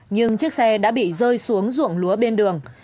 nhưng chiếc xe đã bị rơi xuống ruộng lúa bên đường